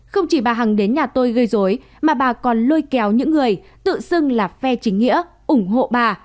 không chỉ bà hằng đến nhà tôi gây dối mà bà còn lôi kéo những người tự xưng là phe chính nghĩa ủng hộ bà